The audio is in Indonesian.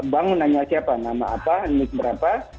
bank menanya siapa nama apa nick berapa